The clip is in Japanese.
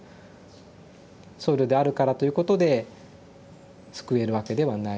僧侶であるからということで救えるわけではない。